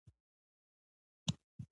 ببۍ ټوپ کړه او له کړنګ سره دا غږ را ووت.